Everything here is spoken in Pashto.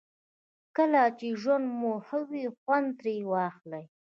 کله چې ژوند مو ښه وي خوند ترې واخلئ.